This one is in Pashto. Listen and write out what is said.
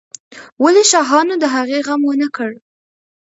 ولې شاهانو د هغې غم ونه کړ؟